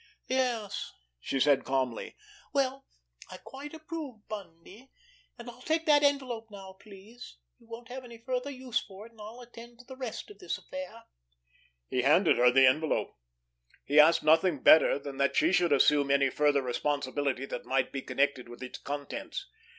"Yes," she said calmly. "Well, I quite approve, Bundy. And I'll take that envelope now, please! You won't have any further use for it, and I'll attend to the rest of this affair." He handed her the envelope. He asked nothing better than that she should assume any further responsibility that might be connected with its contents.